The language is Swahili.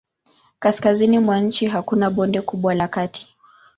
Kaskazini mwa nchi hakuna bonde kubwa la kati.